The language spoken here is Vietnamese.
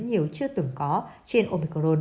nhiều chưa từng có trên omicron